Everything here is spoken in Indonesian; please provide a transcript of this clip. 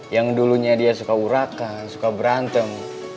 yang dulunya dia suka urakan suka berantem